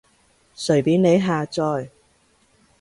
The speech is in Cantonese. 隨便你下載